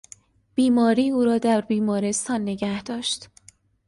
بیماری او را در بیمارستان نگهداشت.